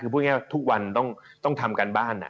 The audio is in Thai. คือพูดง่ายทุกวันต้องทำการบ้าน